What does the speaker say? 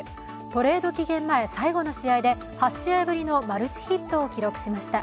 トレード期限前最後の試合で、８試合ぶりのマルチヒットを記録しました。